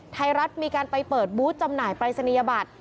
ไทยรัฐมีการไปเปิดบูธจำหน่ายปรายศนียบัตร